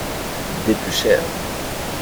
Des plus chers.